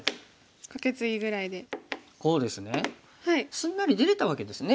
すんなり出れたわけですね